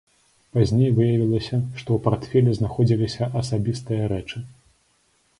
Пазней выявілася, што ў партфелі знаходзіліся асабістыя рэчы.